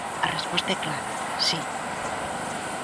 A resposta é clara: si.